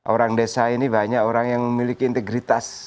orang desa ini banyak orang yang memiliki integritas